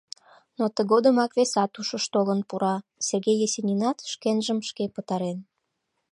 Но тыгодымак весат ушыш толын пура: Сергей Есенинат шкенжым шке пытарен.